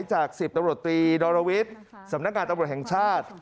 จาก๑๐รัฐตรีนอนวิทย์สำนักงานตรับบริหารแห่งชาติ